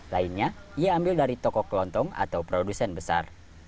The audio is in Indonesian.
lainnya ia ambil dari toko kelontong atau produsen besar